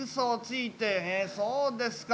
へえそうですか。